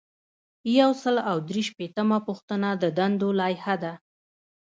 یو سل او درې شپیتمه پوښتنه د دندو لایحه ده.